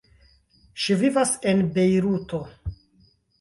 Ŝi vivas en Bejruto.